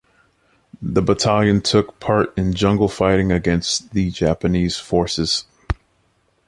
The battalion took part in jungle fighting against the Japanese forces.